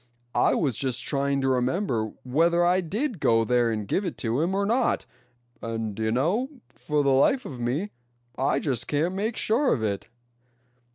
I was just trying to remember whether I did go there and give it to him or not; and d'ye know, for the life of me I just can't make sure of it."